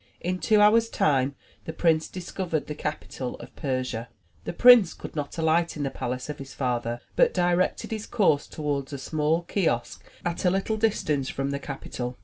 In two hours' time, the prince discovered the capital of Persia. The prince would not alight in the palace of his father, but directed his course toward a small kiosk at a little distance from the capital.